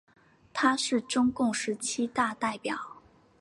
他是中共十七大代表。